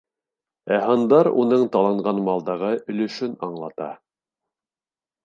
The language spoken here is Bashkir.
Ә һандар уның таланған малдағы өлөшөн аңлата.